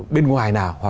bên ngoài nào